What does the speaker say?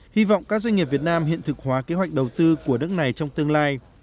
hy vọng các doanh nghiệp việt nam hiện thực hóa kế hoạch đầu tư của nước này trong tương lai